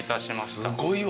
すごいわ。